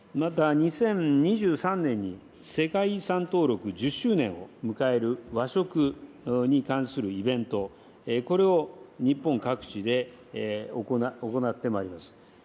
また２０２３年に世界遺産登録１０周年を迎える和食に関するイベント、これを日本各地で行ってまいります。